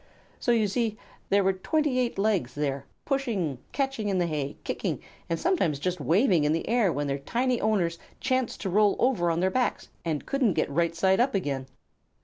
So, you see, there were twenty eight legs there, pushing, catching in the hay, kicking, and sometimes just waving in the air when their tiny owners chanced to roll over on their backs and couldn't get right side up again.